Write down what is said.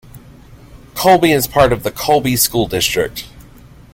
Colby is part of the Colby School District.